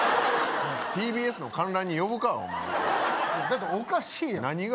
ＴＢＳの観覧に呼ぶかお前だっておかしいやん何が？